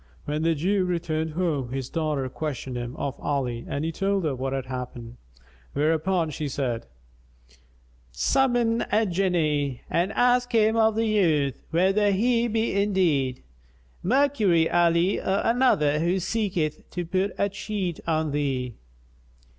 When the Jew returned home, his daughter questioned him of Ali and he told her what had happened; whereupon she said, "Summon a Jinni and ask him of the youth, whether he be indeed Mercury Ali or another who seeketh to put a cheat on thee."